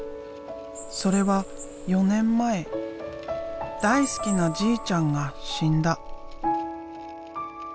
それは４年前大好きなじいちゃんが死んだ。